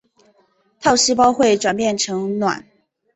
套细胞会转变成卵。